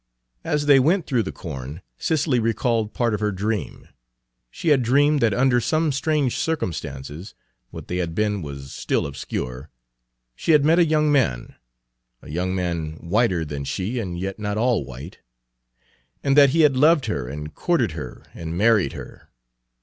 As they went through the corn Cicely recalled part of her dream. She had dreamed that under some strange circumstances what they had been was still obscure she had met a young man a young man whiter than she and yet not all white and that he had loved her and courted her and married her.